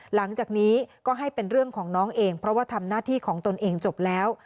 หลังจากนี้ก็ให้เป็นเรื่องของน้องเองเพราะว่าทำหน้าที่ของตนเองจบแล้ว